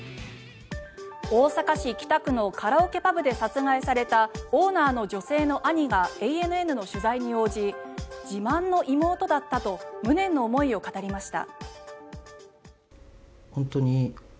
大阪市北区のカラオケパブで殺害されたオーナーの女性の兄がＡＮＮの取材に応じ自慢の妹だったと無念の思いを語りました。